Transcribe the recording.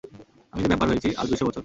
আমি যে ভ্যাম্পায়ার হয়েছি আজ দুইশো বছর।